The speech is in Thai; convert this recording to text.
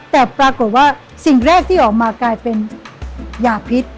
แต่ปรากฏว่าสิ่งแรกที่ออกมากลายเป็นยาพิษ